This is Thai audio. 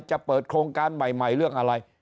จะเปิดโครงการใหม่เรื่องอะไร